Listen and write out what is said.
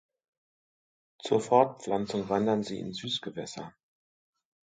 Zur Fortpflanzung wandern sie in Süßgewässer.